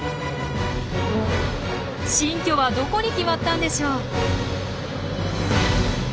新居はどこに決まったんでしょう？